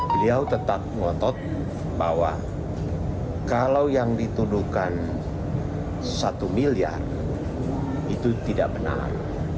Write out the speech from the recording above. beliau tetap ngotot bahwa kalau yang dituduhkan satu miliar itu tidak benar